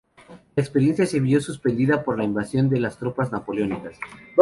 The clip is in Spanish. La experiencia se vio suspendida por la invasión de las tropas napoleónicas.